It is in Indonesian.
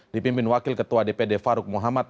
dipimpin wakil ketua dpd farouk muhammad